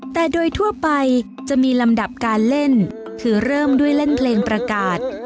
แต่โดยทั่วไปจะมีลำดับการเล่นคือเริ่มด้วยเล่นเพลงประกาศ